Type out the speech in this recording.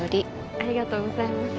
ありがとうございます。